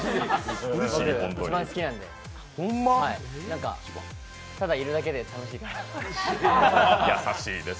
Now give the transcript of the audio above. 一番好きなんで、ただいるだけで楽しいです。